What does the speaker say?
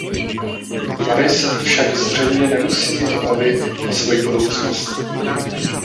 Paris však zřejmě nemusí mít obavy o svoji budoucnost.